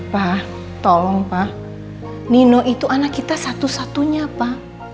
pa tolong pa nino itu anak kita satu satunya pa